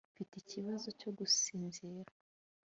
mfite ikibazo cyo gusinzira